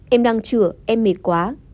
em đang chữa em mệt quá